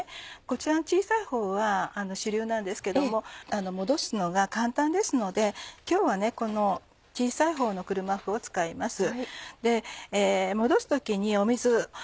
こちらの小さいほうは主流なんですけどももどすのが簡単ですので今日はこの小さいほうの車麩を使います。